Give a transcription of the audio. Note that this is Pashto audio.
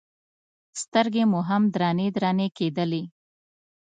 سترګې مو هم درنې درنې کېدلې.